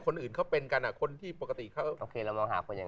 คนอื่นเขาเป็นกันอ่ะคนที่ปกติครับโอเคเรามาหาคนอย่าง